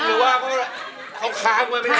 หรือว่าเขาค้างมาไม่ได้